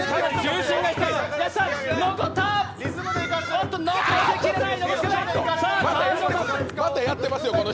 おっと、残しきれない。